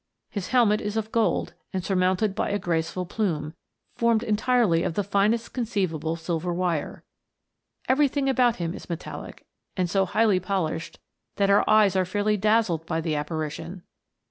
His helmet is of gold, and surmounted by a grace ful plume, formed entirely of the finest conceivable silver wire. Everything about him is metallic, and so highly polished, that our eyes are fairly dazzled by the apparition.